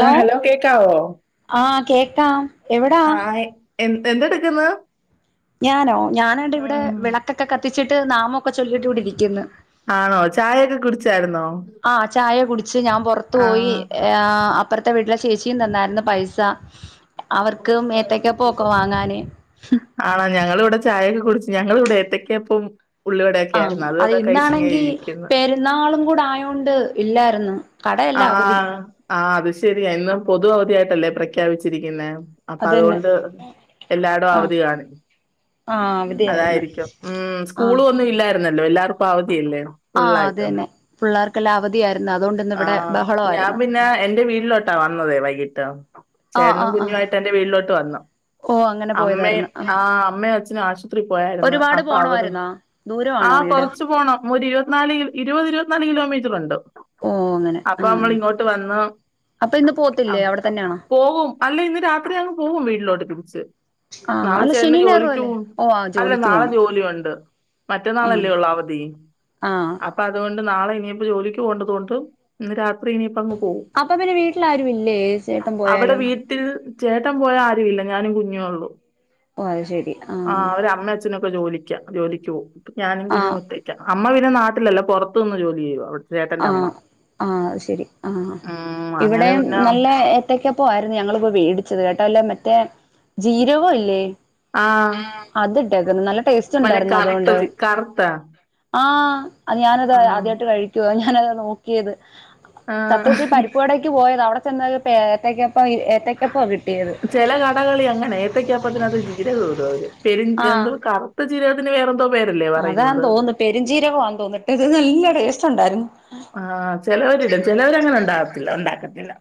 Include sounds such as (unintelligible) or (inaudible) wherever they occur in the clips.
ആ കേക്കാവോ ആ കേക്കാം എവടാ? എന്ത് എന്തെട്ക്ക്ന്ന്? ഞാനോ ഞാനാണ്ട് ഇവിടെ വെളക്കൊക്കെ കത്തിച്ചിട്ട് നാമൊക്കെ ചൊല്ലിയിട്ട് ഇവിടിരിക്കുന്നു. ആണോ ചായൊക്കെ കുട്ച്ചാരുന്നോ? ച്ചു ഞാൻ പൊർത്തു പോയി. ആ അപ്പൊർത്തെ വീട്ടിലെ ചേച്ചിയും തന്നാരുന്നു പൈസ അവർക്കും ഏത്തക്കാപ്പവൊക്കെ വാങ്ങാനെ ഇപ്പം ചായക്കെ കുടിച്ച് ഞങ്ങളിവിടെ ഏത്തക്കാപ്പോം ആഹ് അത് ഇന്നാണെങ്കി ഇരിക്കുന്നു പെരുന്നാളും കൂടായോണ്ട് ഇല്ലാര്ന്നു. ആഹ് ആഹ് അത് ശരിയാ ഇന്ന് പൊതു അവധിയായിട്ടല്ലേ പ്രഖ്യാപിച്ചിരിക്കുന്നെ. അപ്പ അതന്നെ അതുകൊണ്ട് എല്ലാടോം ആഹ് അവധി കാണും. ആഹ് അവധിയായിരുന്നു അതായിരിക്കും ഉം ആഹ് സ്കൂളുവൊന്നും ഇല്ലാരുന്നല്ലോ എല്ലാർക്കും അവ ധിയല്ലേ ഫുള്ളായിട്ടും. ക്കെല്ലാ അവധിയാ ആ ഞാൻ പിന്നെ എന്റെ വീടിലോട്ടാ വന്നതേ വൈകിട്ട് ആഹ് ചേട്ടനും ആഹ് ആഹ് കുഞ്ഞുവായിട്ട് എന്റെ വീട്ടിലോട്ട് വന്നു ഓ അങ്ങനെ അമ്മേം പോയതായിരുന്നു ആ അമ്മേം അച്ഛനും ആശുത്രി പോയാരുന്നു ഒരുപാട് അപ്പൊ അവിടു പോണമായിരുന്നോ ആ ദൂരമാണോ വീട് കൊറച്ച് പോണം ഒരു ഇരുവത്നാല് ഇരു ഇരുവത് ഇരുവത്നാല് കിലോമീറ്ററൊണ്ട് ഓ അങ്ങനെ ആ അപ്പൊ നമ്മളിങ്ങോട്ട് വന്നതോ അപ്പൊ ഇന്ന് ആ പോത്തില്ലേ അവിടെ തന്നെയാണോ പോകും അല്ല ഇന്ന് രാത്രി അങ്ങ് പോവും വീട്ടിലോട്ട് തിരിച്ച് ആ നാളെ അല്ല ചേട്ടന് ശനി ഞായറും ജോലിക്ക് അല്ലേ പോണ് ഓ ആ അല്ല ജോലിക്ക് നാളെ പോണം ജോലിയൊണ്ട് ആ മറ്റന്നാളല്ലേ ഒള്ളവധി ആ അപ്പൊ അതുകൊണ്ട് നാളെ ഇനിയിപ്പോ ജോലിക്ക് പോകണ്ടതു കൊണ്ട് ഇന്ന് രാത്രി ഇനിപ്പോ അങ്ങ് പോവും അപ്പൊ പിന്നെ വീട്ടിൽ ആരും ഇല്ലേ ചേട്ടൻ അവിടെ പോയാലും വീട്ടിൽ ചേട്ടൻ പോയാ ആരുവില്ല ഞാനും കുഞ്ഞുവേ ഒള്ളു ഓ അത് ശരി ആ അച്ഛനൊക്കെ ജോലിക്കാ ജോലിക്ക് പോവും ഞാനും ആ കുഞ്ഞും ഒറ്റക്കാ അമ്മ പിന്നെ നാട്ടിലല്ല പൊറത്ത് നിന്ന് ജോലി ചെയ്യുവാ അവിടെ ആ ചേട്ടന്റമ്മ ആ അത് ശെരി ആ ആ അങ്ങനെ ഇവിടെം പിന്നെ നല്ല ഏത്തക്കാപ്പം ആരുന്നു ഞങ്ങളിപ്പോ മേടിച്ചത് കേ അല്ല മറ്റേ ജീരകവില്ലേ ആഹ് ആ അതീട്ടേക്കുന്നു നല്ല ടേസ്റ്റ് മറ്റേ ഉണ്ടാരുന്നു കറുത്ത അതുകൊണ്ട് ചി കറുത്താ? ആ അത് ഞാനത് ആഹ്. ആദ്യായിട്ട് കഴി ഞാനത് നോക്കിയത് ആഹ്. സത്യത്തി പരിപ്പുവടക്ക് പോയതാ അവിടെ ചെന്നപ്പം (unintelligible) ഏത്തക്കാ ചെല കടകളിൽ അങ്ങനാ ഏത്തക്കപ്പത്തിനാത്ത് ജീരകവിടും അവര് പെരിം എന്തോ കറുത്ത ജീരകത്തിന് വേറെന്തോ പേരല്ലേ അതാം പറയുന്നത്? തോന്നുന്നു പെരിഞ്ചീരകവാന്നു തോന്നുന്നു ഇട്ടേക്കുന്നേന് നല്ല ടേസ്റ്റൊണ്ടാരുന്നു ആ ചെലവരിടും ചെലവരങ്ങനെ ഒണ്ടാവത്തില്ല ഒണ്ടാക്കത്തില്ല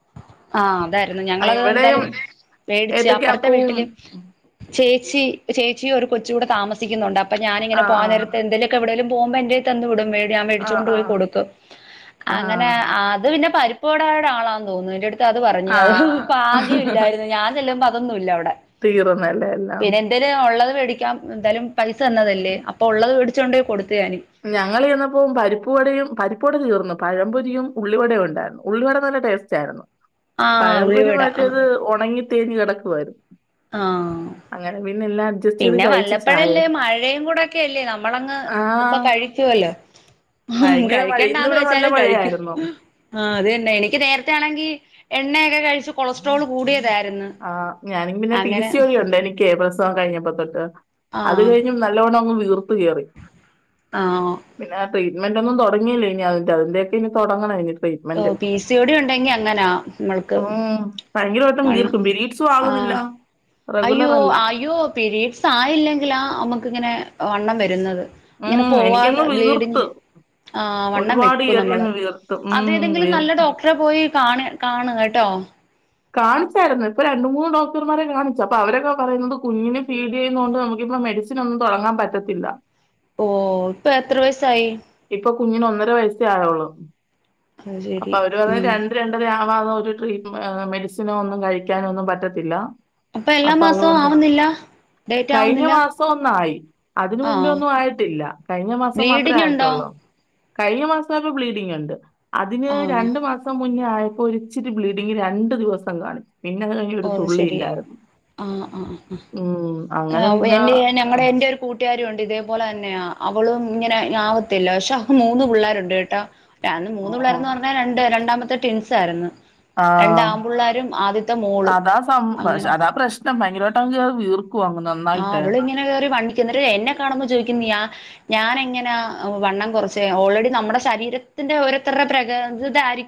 ആ അതാരുന്നു ഞങ്ങളത് എന്തായാലും മേടിച്ച് അപ്പറത്തെ ഏത്തയ്ക്കാപ്പവും വീട്ടില് ചേച്ചി ചേ ച്ചീം ഒരു കൊച്ചൂടെ താമസിക്കുന്നൊണ്ട് അപ്പോ ഞാനിങ്ങനെ ആഹ് ആഹ്. പോകാന്നേരത്ത് എന്തേലുവൊക്കെ എവിടേലും പോവുമ്പോ എന്റേയി തന്നു വിടും മേടി ഞാൻ ആഹ് മേടിച്ചൊണ്ട് പോയി ആഹ്. കൊടുക്കും അങ്ങനെ ആഹ് അത് പിന്നെ പരി പ്പോടെടാളാന്ന് തോന്നുന്നു എന്റടു ത്ത് അത് പറഞ്ഞു അത് ആഹ് ഭാഗ്യം ഇല്ലാരുന്നു ഞാൻ ചെല്ലുമ്പോ അതൊന്നും ഇല്ല അവിടെ തീർന്നല്ലേ എല്ലാം പിന്നെ എന്തേലും ഒള്ളത് മേടിക്കാം എന്തായാലും പൈസ തന്നതല്ലേ അപ്പൊ ഒള്ളത് മേടിച്ചോണ്ടുപോയ് കൊടു ഞങ്ങള് ചെന്നപ്പോം പരിപ്പുവടയും പരിപ് പ്പൂട തീർന്നു പഴംപൊരിയും ഉള്ളിവടേം ഒണ്ടാരുന്നു ഉള്ളിവട നല്ല ടേസ്റ്റാരുന്നു ആഹ് പഴംപൊരി ഉള്ളിവട ആഹ് മറ്റേത് ഉണങ്ങി തിരിഞ്ഞെടുക്കുവാരുന്നു ആഹ് അങ്ങനെ പിന്നെല്ലാം പിന്നെ വല്ലപ്പഴല്ലേ മഴയുംകൂടെക്കെയല്ലേ നമ്മളങ്ങ് ഇപ്പൊ ആഹ് കഴിച്ചുവല്ലോ. ഹും ഭയങ്കര മഴ ഇന്ന് കഴിക്കണ്ടാന്ന് ഇവിടെ നല്ല വെച്ചാലും കഴിക്കും മഴയായിരുന്നു ആ അത് തന്നെ എനിക്ക് നേരത്തെ ആണെങ്കി എണ്ണയൊക്കെ കഴിച്ച് കൊളസ്ട്രോൾ കൂടിയതായിരുന്നു. ആ ഞാനും പിന്നെ പി അങ്ങനെ സി ഒളിയൊണ്ട് എനിക്ക് പ്രസവം കഴിഞ്ഞപ്പോ തൊട്ട്. ആ അത് കഴിഞ്ഞു നല്ലവോണം അങ്ങ് വീർത് കേറി. ആ പിന്നെ ആ ട്രീറ്റ്‌ ഇങ്ങട്ടൊന്നും തുടങ്ങീലെ. ഇനിതിന്റെ അതിന്റെക്കെ ഇനി തുടങ്ങണം (inaudible) ഓ പി സി യോടി ഉണ്ടെങ്കി അങ്ങനാ നമ്മൾക്ക് ഭയങ്കരവട്ടം മണ്ണ് വീർക്കും പിരീഡ്സും ആകുന്നില്ല. ആഹ് റെഗുലർ അയ്യോ അല്ല അയ്യോ പീരീഡ്സ് ആയില്ലെങ്കിലാ നമുക്ക് ഇങ്ങനെ വണ്ണം വക്ക ഇങ്ങനെ ഉം എനിക്കങ്ങ് പോവാതെ ബ്ലീഡിങ്. വീർത്ത് ആ വണ്ണം ഒരുപാട് വെക്കും ഏറി നമ്മള് അങ്ങ് വീർത്ത് ഉം അതേതെങ്കിലും നല്ല വീർത്ത് ഡോക്ടറെ പോയി കാണ കാണ്. ട്ടോ കാണിച്ചായിരുന്നു. ഇപ്പൊ രണ്ട് മൂന്ന് ഡോക്ടർമാരെ കാണിച്ചു. അപ്പൊ അവരൊക്കെ പറയുന്നത് കുഞ്ഞിനെ ഫീഡ് ചെയ്യുന്നതണ്ട് നമുക്ക് ഇപ്പൊ പ്പോ മെഡിസിൻ ഒന്നും തുടങ്ങാൻ പറ്റത്തില്ല. ഓഹ് ഇപ്പൊ എത്ര വയസായി? ഇപ്പൊ കുഞ്ഞിന് ഒന്നര വയസേ ആയുള്ളൂ. അത് അപ്പ ശരി അവര് പറ ഉം രണ്ട് രണ്ടരയാ (inaudible) മെഡിസിനോ ഒന്നും കഴിക്കാനൊന്നും പറ്റത്തില്ല അപ്പൊ എല്ലാ മാസവും ആവുന്നില്ല? ഡേറ്റ് കഴിഞ്ഞ ആവുന്നില്ല മാസം ഒന്നായി അതിന് മുമ്പേ ആഹ് ഒന്നും ആയിട്ടില്ല. കഴിഞ്ഞ മാസം മാത്ര ബ്ലീഡിങ് ആയി. ഉണ്ടോ ട്ടൊള്ളു. കഴിഞ്ഞമാസൊരു ബ്ലീഡിങ്ണ്ട് അതിന് ആഹ് രണ്ട് മാസം മുന്നേ ആയപ്പോ ഇച്ചിരി ബ്ലീഡിങ് രണ്ടു ദിവസം കാണിച്ചു. പിന്നെ അത് കഴിഞ്ഞ് ഒരു തുള്ളി ശരി ഇല്ലായിരുന്നു. ആ ആ ഉം. ആ അങ്ങനെ അ ഓഹ് പിന്നെ എന്റെ ഞങ്ങളടെ ഉം. എന്റെ ഒരു കൂട്ടുകാരിണ്ട് ഇതേപോലെ തന്നെയാ അവ അവളും ഇങ്ങനെ ആവത്തില്ല പക്ഷെ അവൾക് മൂന്ന് പിള്ളേരുണ്ട് ട്ടാ രണ്ട് മൂന്ന് ഉം. പിള്ളേര്ന്ന് പറഞ്ഞാൽ രണ്ട് രണ്ടാമത്തെ ടിൻസ് ആയിരുന്നു. ആ. രണ്ട് ആമ്പിള്ളേരും ആദ്യത്തെ മോള് അതാ സം അങ്ങനെ അതാ പ്രശ്നം ഭയങ്കരമായിട്ടം അങ്ങ് വീർക്കുവാ ആ അവള് ഇങ്ങനെ കേറി വണ്ടിക്കന്നി എന്നെ കാണ്ബോ ചോദിക്കുന്നിയ ഞാനെങ്ങനാ വണ്ണം കുറച്ചേ ഓൾറെഡി നമ്മുടെ ശരീരത്തിന്റെ ഓരോരുടെതരുടെ പ്രകൃ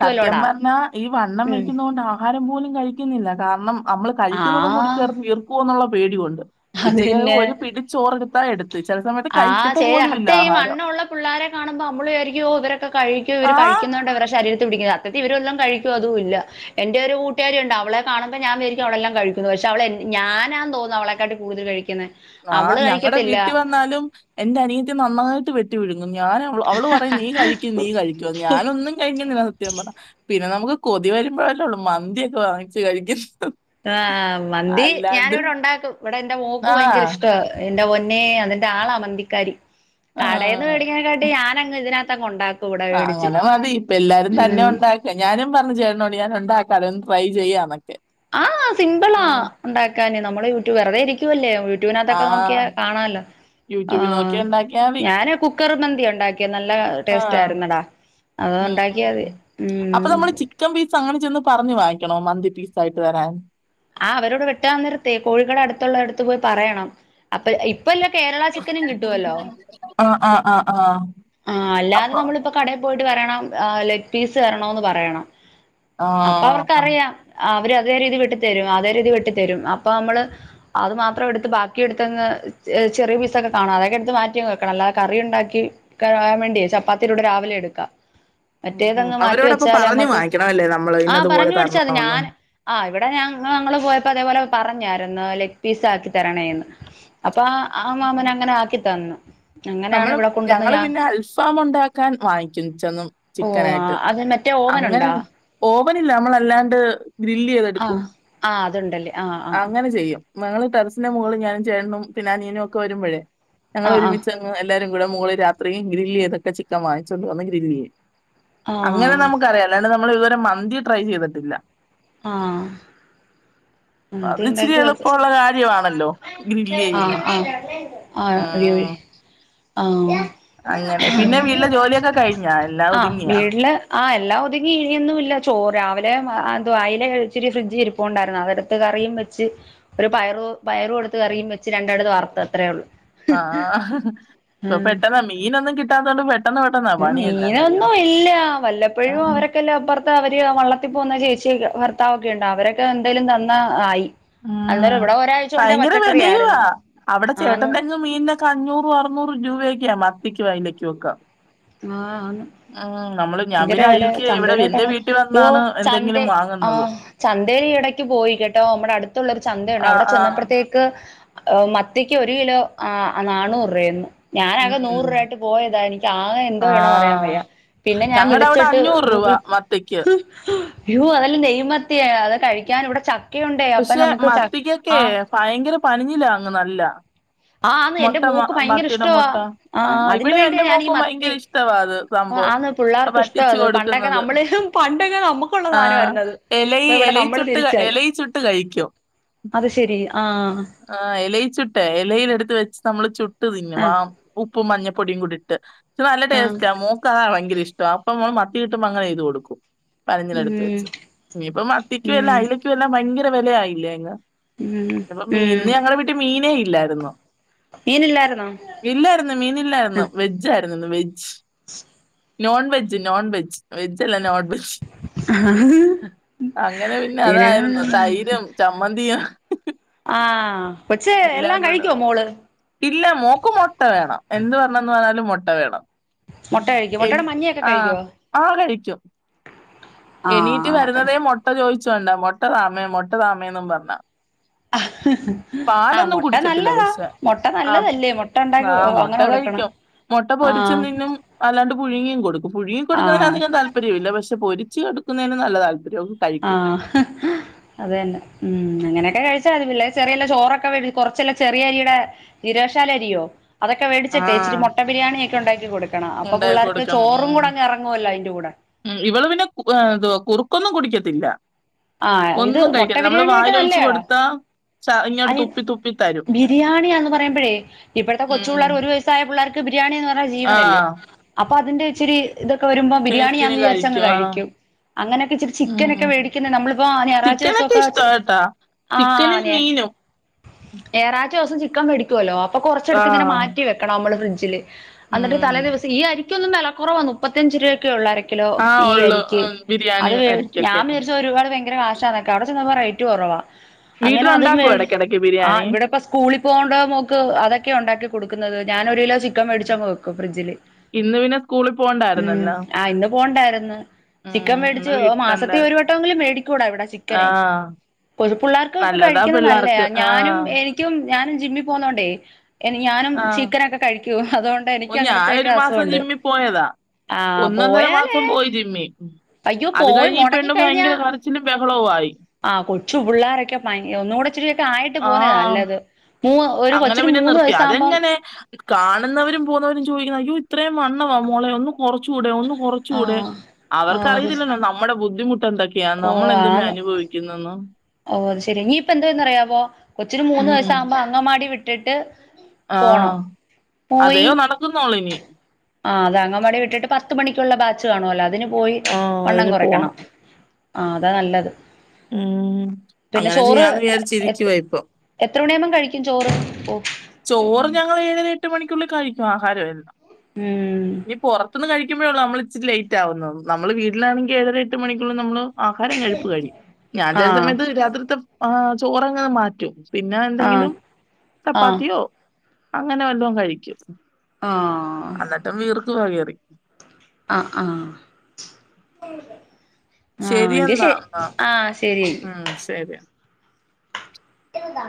സത്യം പറഞ്ഞാ ഈ വണ്ണം വെക്കുന്നോണ്ട് ആഹാരം പോലും കഴിക്കുന്നില്ല. കാരണം നമ്മള് ആ കഴിക്കുന്നതും കൂടി ചേർന്ന് വീർക്കുവോന്നുള്ള പേടികൊണ്ട് ഉച്ചക്കൊക്കെ ഒരു പിടിച്ചോറെടുത്താ എടുത്ത്. ചില സമയത്ത് ആഹ് കഴിക്കത്ത ശരി പോലും ഇല്ല അഹത്തേ ഈ ആഹാരം. വണ്ണള്ള പിള്ളോരെ കാണുമ്പോ നമ്മള് വിചാരിക്കും ഓ ഇവരൊക്കെ കഴിക്കോ ഇവർ ആ കഴിക്കുന്ന (inaudible) ശരീര പിടിക്കുന്നത്. അത്തത്തിവരെല്ലാം കഴിക്കുവോ അതുല്ല. എന്റെ ഒരു കൂട്ടുകാരിണ്ട് അവളെ കണുമ്പോ ഞാൻ വിചാരിക്കും അവളെല്ലാം കഴിക്കുക്കുന്നു പക്ഷേ പക്ഷെ അവളെ ഞാനാ തോന്നും അവളെക്കാട്ടിം കൂടുതൽ കഴിക്കുന്നേ. ആ ഞങ്ങടെ വീട്ടിൽ വന്നാലും എന്റെ അനിയത്തി നന്നായിട്ട് വെട്ടി വിഴുങ്ങു. ഞാ അവള് പറയും നീ കഴിക്കും നീ കഴിക്കുംന്ന് ഞാനൊന്നും കഴിക്കുന്നില്ല സത്യംപറ. പിന്നെ നമുക്ക് കൊതി വരുമ്പോഴല്ലേള്ളൂ മന്തിയൊക്കെ വാങ്ങിച്ച് കഴിക്കുന്ന്. ആ മന്തി ഞാനിവിടെ ഉണ്ടാക്കും. ഇവിടെ എൻന്റെ മോക്ക് ആ ഭയങ്കര ഇഷ്ട എന്റെപൊന്നെ അതിന്റെളാ മന്തിക്കാരി ആ കടയിന്ന് മേടിക്കതിനെക്കാട്ടി ഞാനങ് ഇതിനകതൊണ്ടക്കു ആ അങ്ങനെ മതി ഇപ്പ എല്ലാരും തന്നെ ഉം ഉണ്ടാക്ക ഞാനും പറഞ്ഞു ചേരണോ (unintelligible) പലതും ട്രൈ ചെയ്യാണ്. ആഹ് സിമ്പിളാ ഉണ്ടാക്കാന് നമ്മള് യൂട്യൂബ് വെറുതെ ഇരിക്കുവല്ലേ. ആ യൂട്യൂബിനകത്തൊക്കെ നോക്കിയ കാണല്ലോ യൂട്യൂബിൽ ഓം നോക്കി ഉണ്ടാക്കിയാ മതി ഞാൻ കുക്കർ ഉണ്ടാക്കിയത് നല്ല ആ ടേസ്റ്റ് ആയിരുന്നെടാ. അത് ഉം ഉം ഉ ഉണ്ടാക്കിയാതി അപ്പൊ ഉം നമ്മള് ചിക്കൻ പീസ് അങ്ങനെ ചന്ന് പറഞ്ഞു വാങ്ങി ക്കണോ മന്തിപീസ് ആയിട്ട് വരാൻ. ആ അവരോട് വെട്ടന്നരത്തെേ കോഴികള അടുത്തുള്ള അടുത്ത് പോയി പറയണം അപ്പൊ എല്ലാ കേരള ചിക്കനും കിട്ടുവല്ലോ അഹ് ആ ആ ആഹ് ആ അല്ലാതെ നമ്മളിപ്പോ കടേൽ പോയിട്ട് പറയണം ആ ലെഗ് പീസ് തരണന്ന് പറയണം. ആ അപ്പൊ ആ അവർക്കറിയാം അവര് അതേ രീതി വെട്ടി തരും അതേ രീതി വെട്ടി തരും അപ്പ നമ്മള് അത് മാത്രം എടുത്ത് ബാക്കിടുതങ്ങ് ചെ ചെറിയ പീസാ കാണാതൊക്കെ എടുത്ത് മാറ്റിെയങ്‌ വെക്കണം. അല്ലതെ കറി ഉണ്ടാകി കഴുവ വേണ്ടി ചപ്പാത്തീടെകൂടെ രാവിലെടുക്കാം. ഉം, ഉം. മറ്റേതങ്ങ് മാറ്റി അവരോടപ്പൊ വെച്ചാല് പറഞ്ഞു നമ്മക്ക് വാങ്ങിക്കണമല്ലേ നമ്മള് ആഹ ഇന്നതുപോലെ പറഞ്ഞു മേടിച്ച അത് തരണമെന്ന് ഞാൻ ആ് ഇവിടെ ങ്ങള് പോയപ്പോ അതെപോലെ പറഞ്ഞാരുന്ന് ലെഗ്പീസാക്കി തരണേന്ന് അപ്പ് അപ്പ ആ മാമനങ്ങനെ ആക്കി തന്നു. അങ്ങനെയാണ് നമ്മള് ഇവിടെ കൊണ്ടുവന്ന് ഞങ്ങള് ഞാൻ പിന്നെ അൽഫാം ഉണ്ടാക്കാൻ വാങ്ങിക്കും ചെന്നും ഓ ചിക്കനായിട്ട്. അത് മറ്റേ അങ്ങനെ ഓവനുണ്ടോ ഓവനില്ല നമ്മളല്ലാണ്ട് ഗ്രില്ല് ആ ചെയ്തെടുക്കും. ആ അതുണ്ടല്ലേ ആ ആ ആ അങ്ങനെ ചെയ്യും. ഞങ്ങള് ടെറസിന്റെ മുകളി ഞാനും ചേട്ടനും പിന്നെ അനിയനൊക്കെ വരുമ്പഴേ ഞങ്ങൾ ആഹ് ഒരുമിച്ചങ് എല്ലാരും കൂടെ മുകളി രാത്രി ഗ്രില്ലിതൊക്കെ ചിക്കൻ വാങ്ങിച്ചുകൊണ്ട്വന്ന് ഗ്രില്ല് ചെയ്യും. ആഹ് അങ്ങനെ നമുക്കറിയല്ലാണ്ട് നമ്മൾ ഇതുവരെ മന്തി ട്രൈ ചെയ്തിട്ടില്ല. ആ അത് ഇച്ചിരി എളുപ്പമുള്ള കാര്യണല്ലോ? ഗ്രില്ല് ആഹ് ചെയ്യുന്നെ ആഹ് ഉം. ആ അങ്ങനെ പിന്നെ വീട്ടിലെ ജോലിയൊക്കെ കഴിഞ്ഞാ എല്ലാം ആഹ ഒതുങ്ങിയാ വീട്ടില് ആ എല്ലാ ഒതുങ്ങി ഇനി യൊന്നുംല്ല ചോറ് രാവിലെതു അയല ഇച്ചിരി ഫ്രിഡ്ജിലിരിപ്പണ്ടായിരുന്നു അതെ ടുത്ത് ത്ത് കറിയും വെച്ച് ഒരു പയറു പയറും എടുത്ത് കറിയും വെച്ച് രണ്ടെട്ത്ത് വറുത്തത്രയൊള്ള്. ആഹ ഇൊ പെട്ടെന്ന മീനൊന്നും കിട്ടാതൊണ്ട് പെട്ട മീനൊന്നും ഇല്ല വല്ലപ്പോഴും ഉം അവരൊക്കെല്ല പ്പർത് അവര് വള്ളത്തിൽ പോകുന്ന ചേച്ചി ഭർത്താവൊക്കെ ഉണ്ട്‌ അവരൊക്കെ എന്തേലും തന്ന ആയി. ആഹ അന്നേരം ഉം. ഇവിടെ ഒരാഴ്ച കൊണ്ടേ ഭയങ്കര പച്ചക്കറി വേലായുവാ ആയിരുന്നു അവിടെ ആന്ന് ചേട്ടന്റെങ്ങ് മീനൊക്കെ അഞ്ഞൂറും, അറുന്നൂറും രൂപയൊക്കെ മത്തിക്കും, അയലക്കും ഒക്കെ. ആ ഉം നമ്മള് ഞാൻ ഇതിര പിന്നെ വില അഴിക്ക് ഇവിടെ എന്റെ ചന്തയിലോട്ടക്കെ വീട്ടിൽ യ്യോ വന്നാണ് ചന്തേ എന്തെങ്കിലും ആ വാങ്ങുന്നത് ചന്തേല് ഈ എടക്ക് പോയി കേട്ടോ, മ്മടെ അടുത്തുള്ള ഒരു ചന്തയുണ്ട് ആ അവിടെ ആ ചെന്നപ്പർത്തേക്ക് മത്തിക്ക് ഒരു കിലോ ആ നാണൂറുവയെ ന്ന്. ഞാനകെ ഉം നൂറു രൂപായിട്ട് പോയതാ എനിക്കാകെ എന്തോ ആ വേണന്ന് അറിയാൻ വയ്യ പിന്നെ ഞാൻ ഞങ്ങടെ അവിടെ വിളിച്ചിട്ട് അഞ്ഞൂറ് രൂപ ഗൂഗിൾ മത്തിക്ക് യോ. അതല്ലെന്നേ നെയ്മത്തി അത് കഴിക്കാൻ ഇവിടെ ചക്ക പശ്ശെ മത്തിക്കൊക്കെ ഭയങ്കര പനിഞ്ഞിലാങ്ങ് നല്ല. ആന്ന് എന്റെ മൊട്ട മോക്ക് ഭയങ്കര മത്തിടെ ഇഷ്ടവാ മൊട്ട ആ അതിന് ഇവിടെ വേണ്ടിയാ എന്റെറെ ഞാൻ ഈ മോക്കും വയങ്കര മത്തി ഇഷ്ടവാത്. പോ ആന്ന് പിള്ളേർക്ക് ഇഷ്ടവാ വറ്റിച്ച് അത് പണ്ടൊക്കെ കൊടുക്കുന്നത്. നമ്മള് പണ്ടൊക്കെ നമുക്കുള്ള ആ സാധനമായിരുന്നു അത് എലയി ഇപ്പൊ ഇവിടെ എലയി ചു നമ്മള് ചുട്ട് തിരിച്ചായി എലയി ചുട്ട് കഴിക്കും. അത് ശെരിയ ആ ഇലയിൽ ചുട്ടേ, ഇലയില ലെടുത്ത് വെച്ച് നമ്മള് ചുട്ട് തിന്നും വ ആഹ് ഉ ഉപ്പും മഞ്ഞപ്പൊടിയും കൂടി ഇട്ട്. തനല്ല ആഹ് ടേസ്റ്റ ആ മോക്കതാ ഭയങ്കര ഇഷ്ടം അപ്പൊ നമ്മള് കീട്ടമ്പോ അങ്ങനെ ചെയ്ത് കൊടുക്കും പനഞ്ഞിലെടുത്ത് ഉം വെച്ച്. ഇനിയിപ്പം മ ത്തിക്കുവെല്ലാം ഉം അയലക്കുംല്ലാം ഭയങ്കര വെല ആയില്ലേ അതിന്? ഉം ന്ന് ഇന്ന് ഉം ഞങ്ങളെ വീട്ടീ മീനേ ഇല്ലായിരുന്നു. മീനില്ലായിരുന്നോ ഇല്ലായിര്ന്നു മീൻ ഇല്ലായിര്ന്നു വെജ്ജാ യിരുന്നു veg non veg, non veg veg അല്ല നോൺ അങ്ങനെ പിന്നെ അതായിരുന്നു തൈരും ചമ്മന്തിയും ഹ് ആഹ എല്ലാം കുടും ഇല്ല മോക്ക് മൊട്ട വേണം എന്ത് പറന്ന് പറഞ്ഞാലു മൊട്ട വേണം മുട്ട കഴിക്കോ മുട്ടയുടെ മഞ്ഞയൊക്കെ ആ കഴിക്കുവോ ആ കഴിക്കും. എണീറ്റ് ആഹ് മട്ടടെ വരുന്നതേ മൊട്ട ചോദിച്ചൊണ്ട മൊട്ട താമേ മൊട്ട താമേന്നും പറഞ്ഞാ ആഹ് മൊട്ട കുടിക്കത്തില്ല നല്ലതാ പക്ഷെ മൊട്ട ആ നല്ലതല്ലേ മൊ ട്ട ഉണ്ടാക്കി ആ മുട്ട അങ്ങനെ കൊ കഴിക്കും. മൊട്ട പൊരിച്ചും തിന്നും, അല്ലാണ്ട് പുഴുങ്ങിയും കൊടുക്കും പുഴുങ്ങി ആഹ് കൊടുത്താലധികം താല്പര്യമി ല്ല പക്ഷെ പക്ഷെ പൊരിച്ച് കൊടുക്കുന്നതിന് നല്ലതാ ആഹ അത തന്നെ ഉ അങ്ങനെ ഒക്കെ കഴിച്ചാ അതിവില്ല ചെിയല്ല ചോറൊക്കെ വ കൊറച്ചല്ല ചെറിയരിയുടെ ജീരശാല അരിയോ ആ അതൊെേടട്ടേച്ചരി മുട്ട ബരിയാണിയ ഒക്ക ഉണ്ടാക്കി കൊടുും ഉണ്ടാക്കി കൊടുക്കണം ഉ അയിന്റെ കൂടെ ഉ ഇവള് പിന്നെ കുറ ഒന്നും കുടിക്കത്തില്ല ആഹ ഇത് ഒന്നും മുട്ട കഴിക്കത്തില്ല നമ്മള് ബിരിയാണിയൊക്കെ വായിലൊഴിച്ചു നല്ലയാടാ കൊടുത്താ ച ഇങ്ങോട്ട് അത് തുപ്പി തുപ്പി തരും ബിരിയാണിന്ന് പറയുമ്പഴേ ഇപ്പടത്തെ കൊച്ചു ഉം പിള്ളേർ ഒരു വയസായ പിള്ളേർക്ക് ബിരിയാണിന്ന് പറഞ്ഞ ജീവനല്ലേ ആഹ് അപ്പൊ അതിന്റെ ഇച്ചിരി ഇതൊക്കെ വരുമ്പോ ടേസ്റ്റിന് ബിരിയാണി ാന്ന് വിചാരിച്ചങ് ആഹ് കഴിക്കും അങ്ങനെൊക്കെച്ചരി ചിക്കന ഉം ഒക്കെേട നമ്മളിപ്പോ ഞായറാഴ്ച ചിക്കനൊക്കെ ഇഷ്ടാ ദിവസംക്കെ കേട്ടാ ചിക്കനും ആന മീനും ഏറാഴ്ച ദിവസം ചിക്കൻ കടിക്കുവല്ലോ അപ്പൊ കുറച്ചടുക്ക ഇങ്ങനെ ആഹ് മാറ്റി വെക്കണം നമ്മള് ഫ്രിഡ്ജില് എന്നിട്ട് തല ഉം ദിവസം ഈ അരിക്കയന്നും വിലക്കറവാ മുപ്പത്തിയചച് രൂപക്കെ ഉള്ള അര ആഹ് ഈ ഉള്ളു അരിക്ക് ഉം, ബിരിയാണി അത് ഞാൻ അരിക്കൊക്കെ ഒരുപാട് ഭയങ്കര കാശന്നൊെ അവിടെ ചെന്ന റേറ്റ് കുറവാ അങ്ങനെ അതും വീട്ടിലുണ്ടാക്കും ഇടക്കിടക്ക് ആ ബിരിയാണി ഇവിടെ ഇപ്പോ സ്കൂളിൽ പോകണ്ട നോക്ക് അതൊക്കെ ഉണ്ടാക്കി കൊടുക്കുന്നത് ഞാൻ ഒരു കിലോ ഉം. ചിക്കൻേടിച്ചാ നക്ക ഫ്രിഡ്ജില് ഇന്ന് പിന്നെ സ്കൂളിൽ ഉം പോണ്ടായിരുന്നല്ലോ ആ ഇന്ന് പോണ്ടായിരുന്നു ചിക്കൻ ഉം മേടിച്ച് ഇന്ന് മാസത്തി ഒരു വീട്ടിലുണ്ടായിരുന്നു വട്ടമ എങ്കിലും മേടിക്കൂടാ ഇവിടെ ചിക്കനെ ആഹ് കൊ പിള്ളേർക്കൊക്കെ നല്ലതാ കഴിക്കുന്ന നല്ല പിള്ളേർക്ക് ഞാനും ആഹ് എനിക്കും ഞാനും ജിമ്മിൽ പോന്നോണ്ടേ ഞാനും ആഹ് ചിക്കനൊക്കെ കഴിക്കുമോ അതുകൊണ്ട് ഓ എനിക്ക് അങ്ങനത്തൊക്കെ ഞാനൊരു മാസം അസുഖുണ്ട് ജിമ്മിൽ പോയതാ ആഹ ഒന്നൊന്നര പോയാലേ മാസം പോയി ജിമ്മി അയ്യോ അത് പോയി കഴിഞ്ഞ് ഈ പെണ്ണ് മുടങ്ങിിക്കഴിഞ്ഞാ ഭയങ്കര കരച്ചിലും ബഹളവും ആയി ആഹ കൊച്ചു പിള്ളോരൊക്കെ ഭാി ഒന്നുകൂടെച്ചിരിൊക്കെ ആയിട്ട് ആ പോുന്നേ നല്ലത് മൂ ഒരു അങ്ങനെ കൊച്ചിന് പിന്നെ മൂന്ന് നിർത്തി വയസ്സാകുമ്പം അതെങ്ങനെ കാണുന്നവരും പോുന്നവരും ചോിക്കുന്ന അയ്യ ഇത്രയും വണ്ണവാ മോളെ ഒന്നും കുറച്ചുകൂടെ ഒന്നും കുറച്ച കൂടെ ആഹ് ആഹ് അത് അവർക്കറിയത്തില്ലല്ലോ നമ്മുടെ ബുദ്ധിമുട്ട് എന്തൊക്കെയാ നമ്മളെന്തുമേ അനുഭവിക്കുന്നന്ന് ഓ ശരി നീയിപ്പൊ എന്തോന്ന്റയാപ്പ കൊച്ചിന് മൂന്ന് വയസ ആകുമ്പോ അങ്ങമാടി വിട്ടിട്ട് ആഹ പോണം പോയി ആ അത് അങ്ങ അടെ വിട്ടിട്ട് പത്ത് മണിക്കുള്ള ബാച്ച് കാണല്ലോ അതി പോയി ആ വണ്ണം അതിന് പോണം കുറക്കണം ആ അതാ നല്ലത് ആം പിന്നെ ചോറ് എ ഇപ്പൊ എത്ര മണിയാകുമ്പം കഴിക്കും ചോറ് ചോറ് ഞങ്ങൾ ഏഴര എട്ട് മണിക്കുള്ളിൽ കഴിക്കും ആഹാരം എല്ലാം ഉം ിക്ക്പോഴ നമ്മള ഇച്ചി് ലേറ്റ് ആകുന്നു നമ്മള് വീട്ടിലാണങ്കിൽ ഏഴര എട്ട് മണിക്കുള്ളും നമ്മള് ആഹാരം കഴുപ്പ് കഴിയും ഞാൻ ചില ആഹ് സമയത്ത് രാത്രിത്തെ ആ് ചോറങ്ങ് മാറ്റും പിന്നെ ആഹ് എന്തെങ്കിലും ആഹ് ചപ്പാത്തിയോ അങ്ങനെ വല്ലം കഴിക്കും ആഹ് അന്നെട്ടും വീർക്കുവാ കേറി ആഹ ആഹ ആഹങ്ക എന്നാ ശരി എന്നാ ആ ഉം ശരി എന്താ